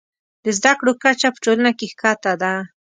د زده کړو کچه په ټولنه کې ښکته ده.